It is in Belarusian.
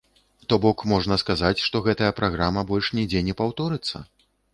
То бок, можна сказаць, што гэтая праграма больш нідзе не паўторыцца?